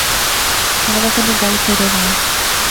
ساحرہ کنے گل کرے وہا